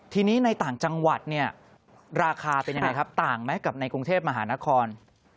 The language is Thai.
ทีนี้ในต่างจังหวัดเนี่ยราคาเป็นยังไงครับต่างไหมกับในกรุงเทพมหานคร